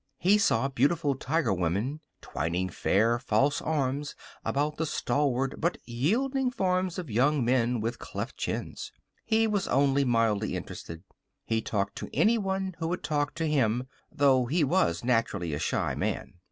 He saw beautiful tiger women twining fair, false arms about the stalwart but yielding forms of young men with cleft chins. He was only mildly interested. He talked to anyone who would talk to him, though he was naturally a shy man.